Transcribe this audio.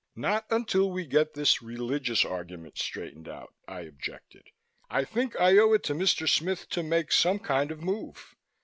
"Not until we get this religious argument straightened out," I objected. "I think I owe it to Mr. Smith to make some kind of move.